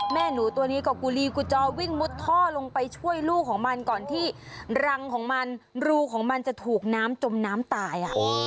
แม่หนูตัวนี้ก็กุลีกูจอวิ่งมุดท่อลงไปช่วยลูกของมันก่อนที่รังของมันรูของมันจะถูกน้ำจมน้ำตาย